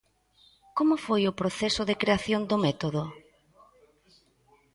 Como foi o proceso de creación do método?